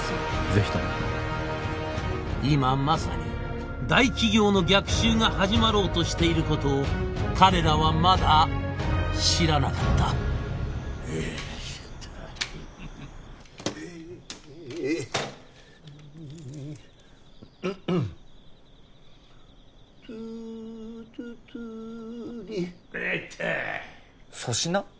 ぜひとも今まさに大企業の逆襲が始まろうとしていることを彼らはまだ知らなかったよいしょっと粗品？